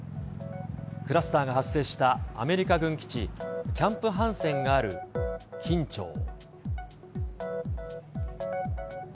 クラスターが発生したアメリカ軍基地、キャンプ・ハンセンがある金武町。